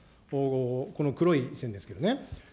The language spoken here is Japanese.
この黒い線ですけれどもね。